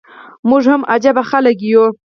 موږ هم عجبه خلک يو.